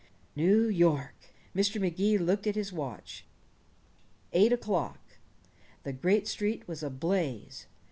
New York! Mr. Magee looked at his watch. Eight o'clock. The great street was ablaze.